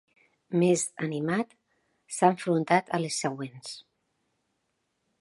Més animat, s'ha enfrontat a les següents.